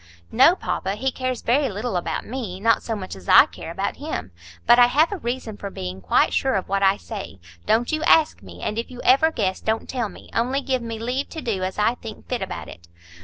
"No, papa; he cares very little about me,—not so much as I care about him. But I have a reason for being quite sure of what I say. Don't you ask me. And if you ever guess, don't tell me. Only give me leave to do as I think fit about it."